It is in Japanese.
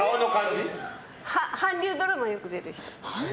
韓流ドラマよく出る人。